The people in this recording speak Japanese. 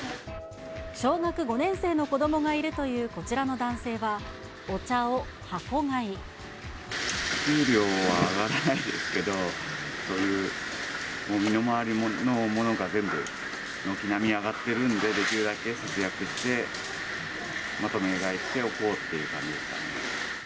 小学５年生の子どもがいるという、こちらの男性は、給料は上がらないですけど、そういう身の回りのものが全部軒並み上がってるんで、できるだけ節約して、まとめ買いしておこうって感じですかね。